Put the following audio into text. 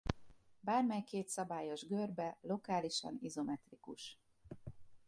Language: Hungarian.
Bármely két szabályos görbe lokálisan izometrikus.